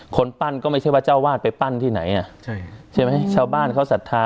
คนปั้นก็ไม่ใช่ว่าเจ้าวาดไปปั้นที่ไหนอ่ะใช่ใช่ไหมชาวบ้านเขาศรัทธา